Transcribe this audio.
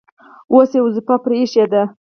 اوس یې وظیفه پرې ایښې ده.